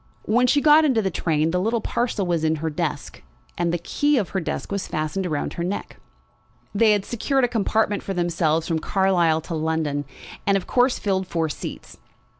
When she got into the train the little parcel was in her desk, and the key of her desk was fastened round her neck. They had secured a compartment for themselves from Carlisle to London, and of course filled four seats.